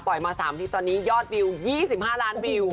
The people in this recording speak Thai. มา๓ทีตอนนี้ยอดวิว๒๕ล้านวิว